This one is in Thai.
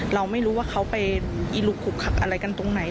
เราไม่รู้ว่าเขาไปอีลุขุกขักอะไรกันตรงไหน